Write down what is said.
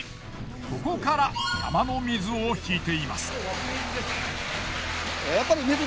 ここから山の水を引いています。